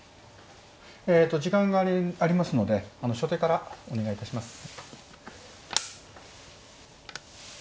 えと時間がありますので初手からお願いいたします。